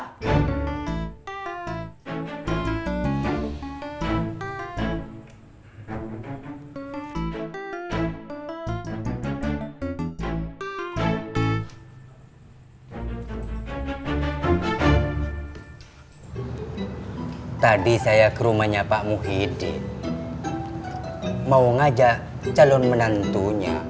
hai tadi saya ke rumahnya pak muhyiddin mau ngajak calon menantunya